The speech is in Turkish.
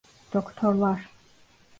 Doktorlar…